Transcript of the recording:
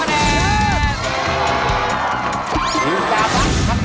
ตากลับครับ